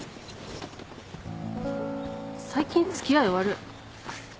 最近付き合い悪い